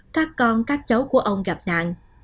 các con các cháu của ông gặp nạn